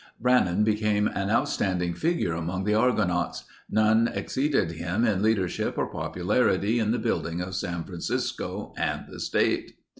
Brannan became an outstanding figure among the Argonauts. None exceeded him in leadership or popularity in the building of San Francisco and the state.